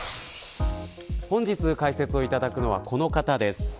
本日、解説いただくのはこの方です。